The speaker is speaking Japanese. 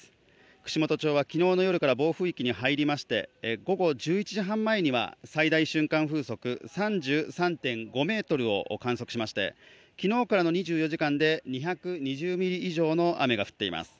串本町は昨日の夜から暴風域に入りまして、午後１１時半には最大瞬間風速３３．５メートルを観測しまして、昨日からの２４時間で２２０ミリ以上の雨が降っています。